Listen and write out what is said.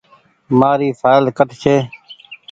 مآريِ ڦآئل ڪٺ ڇي۔